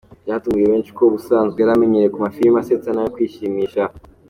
Byatunguye benshi kuko ubusanzwe yari amenyerewe ku mafilimi asetsa n’ayo kwishimisha.